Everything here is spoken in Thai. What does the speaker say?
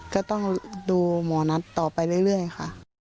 ก็ต้องดูหมอนัทต่อไปเรื่อยค่ะ